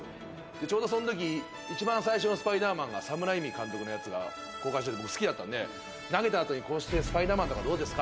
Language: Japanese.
ちょうどそのとき、一番最初のスパイダーマンが、サム・ライミ監督のやつが公開してて僕好きだったので、投げたあとに、スパイダーマンとかどうですか？